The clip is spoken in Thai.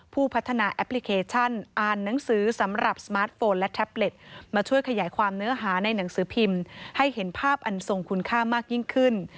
ผู้พัฒนาแอปพลิเคชันอ่านหนังสือสำหรับสมาร์ทโฟนและแท็บเล็ตมาช่วยขยายความเนื้อหาในหนังสือพิมพ์ให้เห็นภาพอันทรงคุณค่ามากยิ่งขึ้น